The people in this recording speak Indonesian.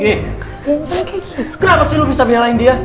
kenapa kamu bisa biarlahin dia